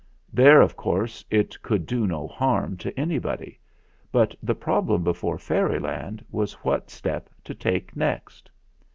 There, of course, it could do no harm to anybody; but the problem before Fairyland was what step to take next.